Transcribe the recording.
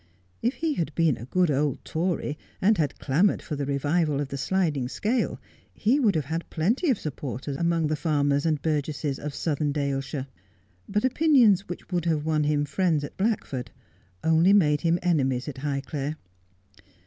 If he had been a good old Tory, and had clamoured for the revival of the sliding scale, he would have had plenty of supporters among the farmers and burgesses of Southern Daleshire. But opinions which would have won him friends at Blackford only made him enemies at Highclere.